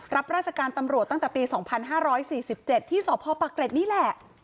รับราชการตำรวจตั้งแต่ปีสองพันห้าร้อยสี่สิบเจ็ดที่สพปะเกร็จนี่แหละ